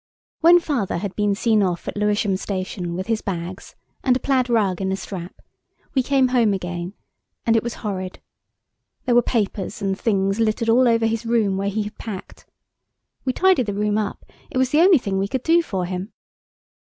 When Father had been seen off at Lewisham Station with his bags, and a plaid rug in a strap, we came home again, and it was horrid. There were papers and things littered all over his room where he had packed. We tidied the room up–it was the only thing we could do for him.